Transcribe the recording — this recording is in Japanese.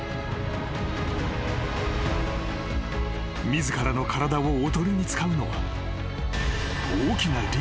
［自らの体をおとりに使うのは］